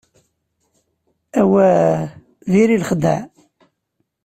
Awah, diri lexdeɛ.